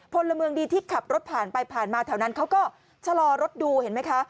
พลเมืองดีที่ขับรถผ่านไปผ่านมาแถวนั้นเขาก็ชะลอรถดูเห็นไหมคะ